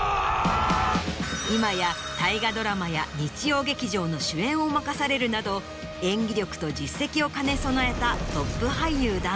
今や大河ドラマや日曜劇場の主演を任されるなど演技力と実績を兼ね備えたトップ俳優だが。